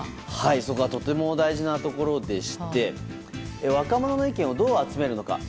そこはとても大事なところでして若者の意見をどう集めるのか。